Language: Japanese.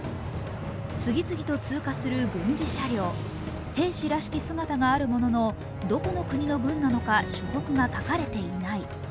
次々と通過する軍事車両、兵士らしき姿があるもののどこの国の軍なのか所属が書かれていない。